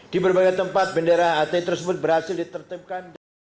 di berbagai tempat bendera hti tersebut berhasil ditertimkan